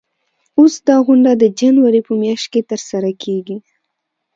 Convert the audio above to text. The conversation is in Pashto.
اوس دا غونډه د جنوري په میاشت کې ترسره کیږي.